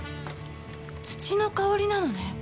土の香りなのね